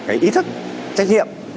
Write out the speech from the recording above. cái ý thức trách nhiệm